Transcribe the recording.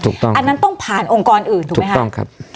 อันนั้นต้องผ่านองค์กรอื่นถูกไหมคะถูกต้องครับ